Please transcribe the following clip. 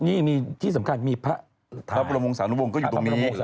นี่ที่สำคัญมีพระพระมงสาวนุโบงก็อยู่ตรงนี้